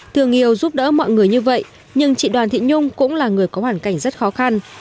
thương yêu giúp đỡ mọi người như vậy nhưng chị đoàn thị nhung cũng là người có hoàn cảnh rất khó khăn